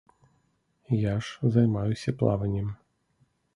Я ж займаюся плаваннем.